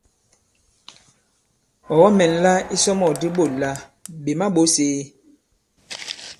Ɔ̀ kɔ-mɛ̀nla isɔmɔ̂k di ɓôt là "ɓè ma-ɓōs ēe?".